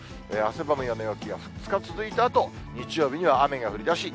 汗ばむような陽気が２日続いたあと、日曜日には雨が降りだし